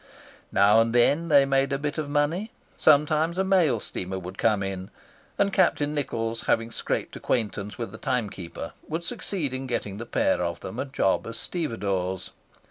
Now and then they made a bit of money. Sometimes a mail steamer would come in, and Captain Nichols, having scraped acquaintance with the timekeeper, would succeed in getting the pair of them a job as stevedores.